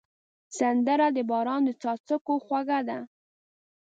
سندره د باران د څاڅکو خوږه ده